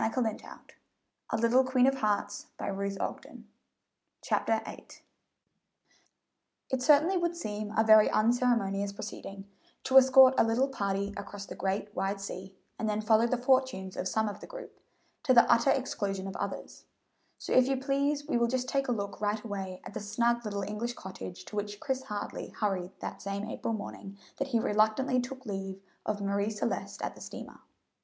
CHAPTER VIII. SOMETHING OF A SCRAPE. [Illustration:0079] It certainly would seem a very unceremonious proceeding to escort a little party across the great, wide sea, and then follow the fortunes of some of the group, to the utter exclusion of others; so if you please we will just take a look right away at the snug little English cottage to which Chris Hartley hurried the same April morning that he reluctantly took leave of Marie Celeste at the steamer.